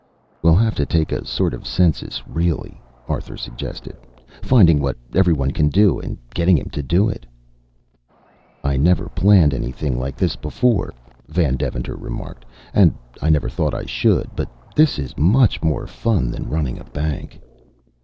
"We'll have to take a sort of census, really," Arthur suggested, "finding what every one can do and getting him to do it." "I never planned anything like this before," Van Deventer remarked, "and I never thought I should, but this is much more fun than running a bank."